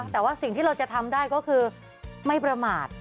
แต่ว่าสิ่งที่เราจะทำได้ก็คือไม่ประมาท